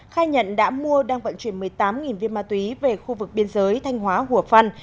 khai nhận đã mua đang vận chuyển một mươi tám viên ma túy về khu vực biên giới thanh hóa hùa phân